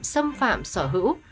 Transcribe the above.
xâm phạm sở hữu